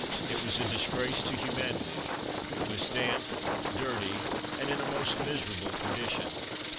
It was a disgrace to humanity. It was damp, dirty, and in a most miserable condition.